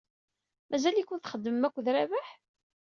Mazal-iken txeddmem akked Rabaḥ?